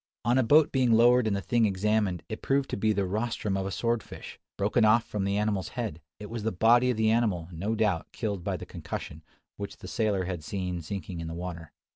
On a boat being lowered and the thing examined, it proved to be the rostrum of a sword fish, broken off from the animal's head. It was the body of the animal, no doubt, killed by the concussion, which the sailor had seen sinking in the water.